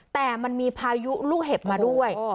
แต่มันมีพายุลูกเห็บมาด้วย